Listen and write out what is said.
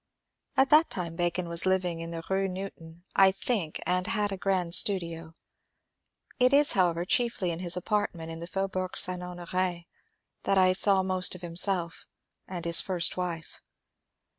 At that time Bacon was living in the Rue Newton, I think, and had a grand studio. It is, however, chiefly in his apartment in the Faubourg St. Honor^ that I saw most of himself and his (first) wife.